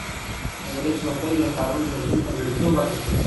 د ورځې په پیل کې د کارونو تنظیم ته لومړیتوب ورکړل شي.